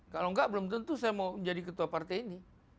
kalau enggak belum tentu saya mau menjadi ketua partai ini